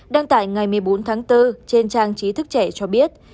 đăng tải ngày một mươi bốn tháng bốn trên trang trí thức trẻ cho biết